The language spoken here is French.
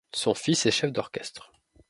Son fils est chef d'orchestre.